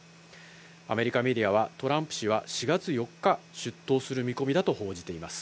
アメリカメディアはトランプ氏は４月４日、出頭する見込みだと報じています。